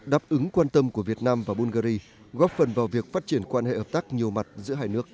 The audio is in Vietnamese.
đáp ứng quan tâm của việt nam và bungary góp phần vào việc phát triển quan hệ hợp tác nhiều mặt giữa hai nước